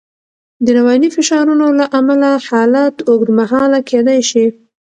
د رواني فشارونو له امله حالت اوږدمهاله کېدای شي.